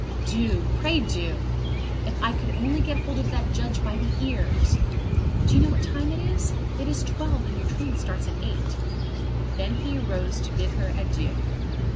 "Do; pray do! If I could only get hold of that judge by the ears! Do you know what time it is? It is twelve, and your train starts at eight." Then he arose to bid her adieu.